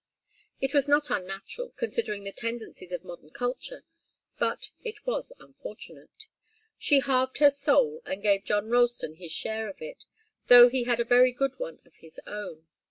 It was not unnatural, considering the tendencies of modern culture, but it was unfortunate. She halved her soul, and gave John Ralston his share of it, though he had a very good one of his own.